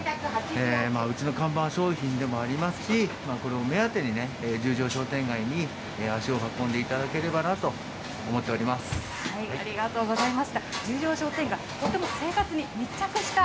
うちの看板商品でもありますし、これを目当てに十条商店街に足を運んでいただければなと思っておありがとうございました。